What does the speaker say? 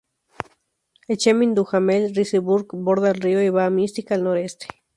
El chemin Duhamel-Ricebeug borda el río y va a Mystic al noroeste.